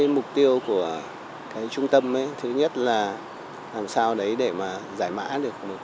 mục tiêu của trung tâm thứ nhất là làm sao để giải mã được công nghệ